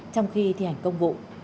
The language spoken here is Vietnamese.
trong khi thi hành công vụ